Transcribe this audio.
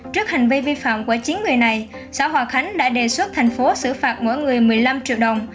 trước hành vi vi phạm của chín người này xã hòa khánh đã đề xuất thành phố xử phạt mỗi người một mươi năm triệu đồng